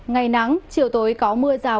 ngày nắng chiều tối có mưa rào